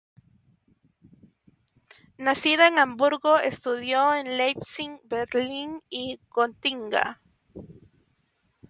Nacido en Hamburgo, estudió en Leipzig, Berlín y Gotinga.